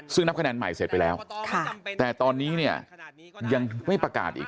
ซึ่งนับคะแนนใหม่เสร็จไปแล้วแต่ตอนนี้เนี่ยยังไม่ประกาศอีก